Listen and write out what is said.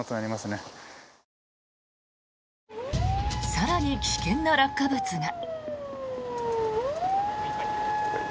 更に危険な落下物が。